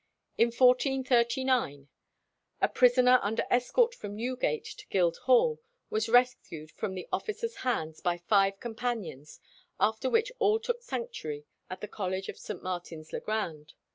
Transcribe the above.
In 1439 a prisoner under escort from Newgate to Guildhall was rescued from the officers' hands by five companions, after which all took sanctuary at the college of St. Martin's le Grand.